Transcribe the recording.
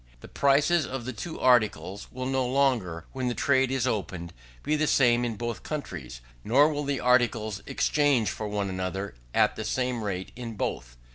The prices of the two articles will no longer, when the trade is opened, be the same in both countries, nor will the articles exchange for one another at the same rate in both.